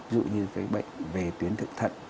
ví dụ như bệnh về tuyến thượng thận